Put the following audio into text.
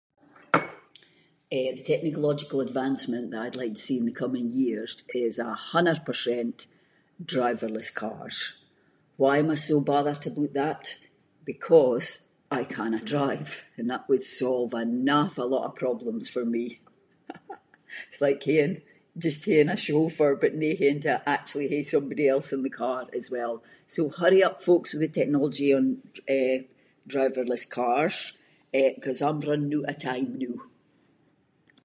Eh the technological advancement that I’d like to see in the coming years is a hunner percent driverless cars. Why am I so bothered aboot that? Because I cannae drive and that would solve an awfu' lot of problems for me. It’s like haeing- just haeing a chauffeur but no haeing to actually hae somebody else in the car as well. So hurry up folks with the technology on dr- eh, driverless cars, eh, ‘cause I’m running oot of time noo.